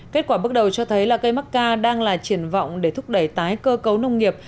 kết quả bước đầu cho thấy là cây mắc ca đang là triển vọng để thúc đẩy tái cơ cấu nông nghiệp